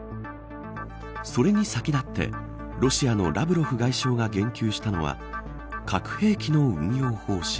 それに先立ってロシアのラブロフ外相が言及したのは核兵器の運用方針。